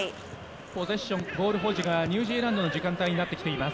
ポゼッションボール保持の時間帯がニュージーランドの時間帯になってきています。